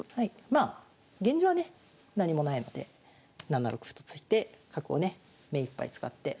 まあ現状はね何もないので７六歩と突いて角をね目いっぱい使って。